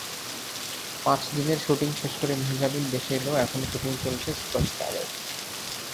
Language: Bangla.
পাঁচ দিনের শুটিং শেষ করে মেহ্জাবীন দেশে এলেও এখনো শুটিং চলছে সুপারস্টার-এর।